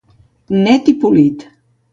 Net i polit.